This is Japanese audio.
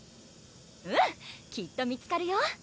うん！きっと見つかるよ